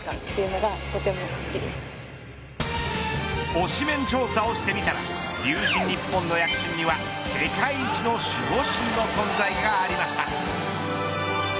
推しメン調査をしてみたら龍神ＮＩＰＰＯＮの躍進には世界一の守護神の存在がありました。